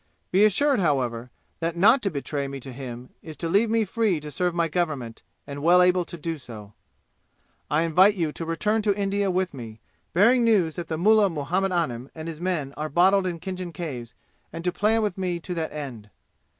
"Be assured, however, that not to betray me to him is to leave me free to serve my government and well able to do so. "I invite you to return to India with me, bearing news that the mullah Muhammad Anim and his men are bottled in Khinjan Caves, and to plan with me to that end.